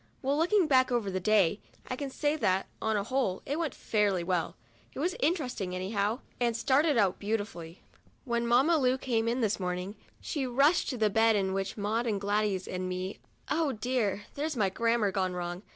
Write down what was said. Well, looking back over the day, I can say that, on the whole, it went off fairly well. It was interesting anyhow, and started out beautifully. When Mamma Lu came in this morning, she rushed to the bed in which were Maud and Gladys and me (oh dear ! there's my grammar wrong!